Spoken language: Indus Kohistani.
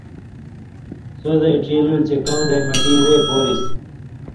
سو زئ ڇیللیۡ چے کؤں زئ مٹی وے پورِسیۡ۔